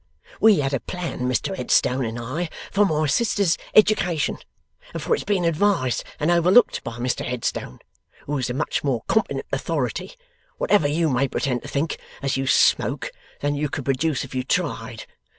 We had a plan, Mr Headstone and I, for my sister's education, and for its being advised and overlooked by Mr Headstone, who is a much more competent authority, whatever you may pretend to think, as you smoke, than you could produce, if you tried.